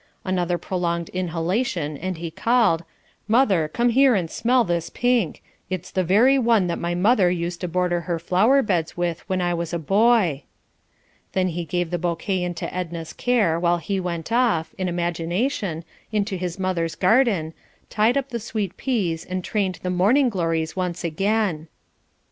Another prolonged inhalation and he called, "Mother, come here and smell this pink; it's the very one that my mother used to border her flowerbeds with when I was a boy." Then he gave the bouquet into Edna's care while he went off, in imagination, into his mother's garden, tied up the sweet peas and trained the morning glories once again.